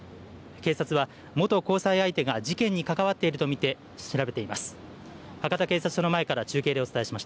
警察は元交際相手が事件に関わっていると見て調べています。